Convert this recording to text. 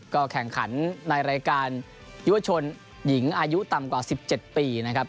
ก็แข่งขันในรายการยุวชนหญิงอายุต่ำกว่า๑๗ปีนะครับ